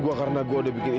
ya allah gimana ini